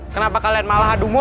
kenapa kalian malah adu mul